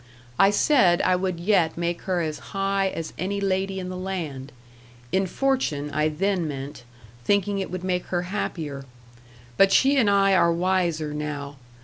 I said I would yet make her as high as any lady in the land, in fortune I then meant, thinking it would make her happier; but she and I are wiser now.